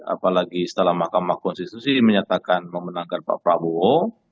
apalagi setelah mahkamah konstitusi menyatakan memenangkan pak prabowo